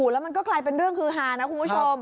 แล้วมันก็กลายเป็นเรื่องฮือฮานะคุณผู้ชม